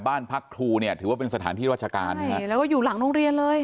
บ้านพักครูเนี่ยถือว่าเป็นสถานที่ราชการนี่ใช่แล้วก็อยู่หลังโรงเรียนเลย